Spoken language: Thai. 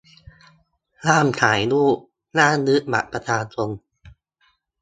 ห้ามถ่ายรูป ห้ามยึดบัตรประชาชน